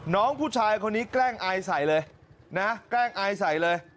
น้องผู้ชายคนนี้แกล้งอายใส่เลยนะแกล้งอายใส่เลย